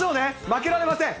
負けられません。